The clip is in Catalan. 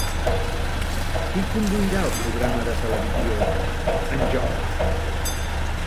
Qui conduirà el programa de televisió 'En Joc'?